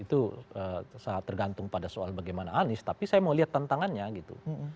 itu tergantung pada soal bagaimana anies tapi saya mau lihat tantangannya gitu